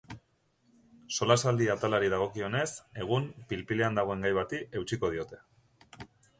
Solasaldi atalari dagokionez, egun pil-pilean dagoen gai bati eutsiko diote.